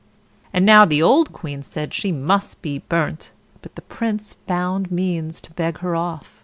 And now the old queen said she must be burnt, but the Prince found means to beg her off.